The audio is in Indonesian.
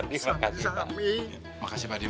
terima kasih ya pak haji